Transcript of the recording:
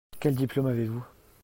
Quel diplôme avez-vous ?